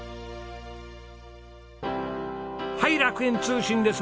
はい楽園通信です。